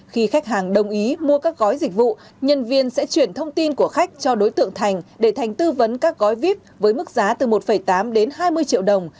khi khách hàng đồng ý mua các gói dịch vụ nhân viên sẽ chuyển thông tin của khách cho đối tượng thành để thành tư vấn các gói vip với mức giá từ một tám đến hai mươi triệu đồng